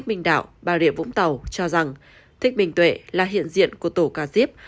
thích minh đạo bà rịa vũng tàu cho rằng thích minh tuệ là hiện diện của tổ ca diếp